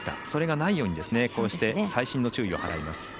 それがないようにこうして、細心の注意を払います。